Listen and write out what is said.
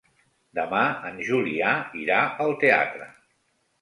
Demà en Julià irà al teatre.